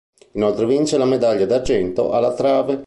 Inoltre vince la medaglia d'argento alla trave.